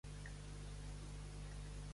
El productor Gastón Carrera, conocido como Mr.